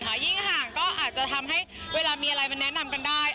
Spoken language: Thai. ยิ่งห่างก็อาจจะทำให้เวลามีอะไรมาแนะนำกันได้